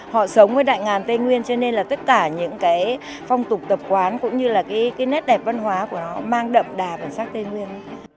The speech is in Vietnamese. họ sống với đại ngàn tây nguyên cho nên là tất cả những cái phong tục tập quán cũng như là cái nét đẹp văn hóa của nó mang đậm đà bản sắc tây nguyên